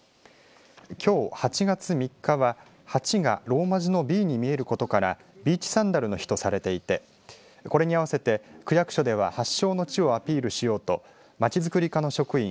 きょう８月３日は８がローマ字のＢに見えることからビーチサンダルの日とされていてこれに合わせて区役所では発祥の地をアピールしようとまちづくり課の職員